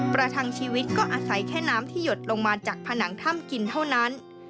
ประทังชีวิตก็อาศัยแค่น้ำที่หยดลงมาจากผนังถ้ำกินเท่านั้น